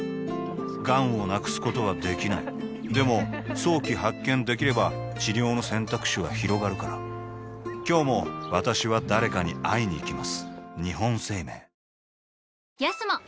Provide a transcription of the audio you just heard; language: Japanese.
がんを無くすことはできないでも早期発見できれば治療の選択肢はひろがるから今日も私は誰かに会いにいきます